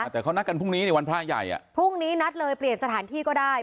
แต่เขานัดกันพรุ่งนี้วันพระใหญ่พรุ่งนี้นัดเลยเปลี่ยนสถานที่ก็ได้